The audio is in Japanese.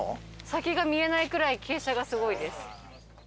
先が見えないくらい傾斜がすごいです。